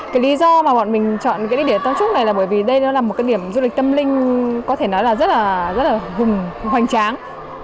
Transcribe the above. cái lý do mà bọn mình chọn cái địa tâm trung này là bởi vì đây là một cái điểm du lịch tâm linh có thể nói là rất là hoành tráng